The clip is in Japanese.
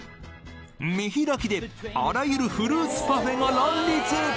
見開きであらゆるフルーツパフェが乱立！